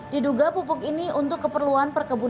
diduga pupuk ini untuk keperluan perkebunan